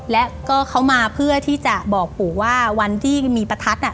และก็เขามาเพื่อที่จะบอกปู่ว่าวันที่มีประทัดอ่ะ